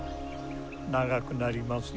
長くなりますよ？